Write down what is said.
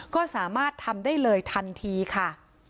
ก็สามารถทำได้เลยทันทีค่ะ